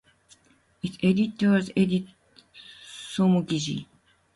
Its editor was Ede Somogyi.